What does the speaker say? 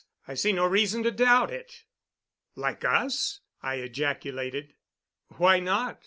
I see no reason to doubt it." "Like us?" I ejaculated. "Why not?"